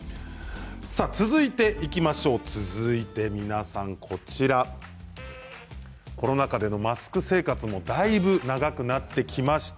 続いてコロナ禍でのマスク生活もだいぶ長くなってきました。